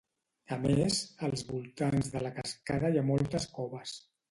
A més, als voltants de la cascada hi ha moltes coves.